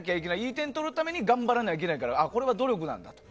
いい点を取るために頑張らなきゃいけないからこれは努力だと。